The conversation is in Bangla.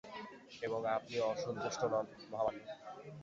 এবং, আপনি অসন্তস্টু নন, মহামান্য?